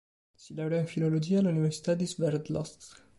Si laureò in filologia all'Università di Sverdlovsk.